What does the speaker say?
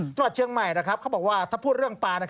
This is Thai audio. จังหวัดเชียงใหม่เขาบอกว่าถ้าพูดเรื่องปลา